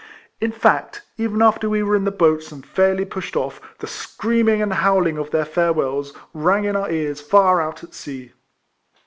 In fact, even after we were in the boats and fairly pushed off, the screaming and howling of their farewells rang in our ears far out at sea.